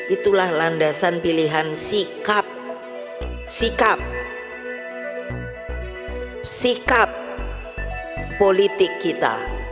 itulah landasan pilihan sikap sikap politik kita